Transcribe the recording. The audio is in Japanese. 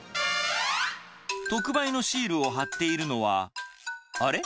特売のシールを貼っているのは、あれ？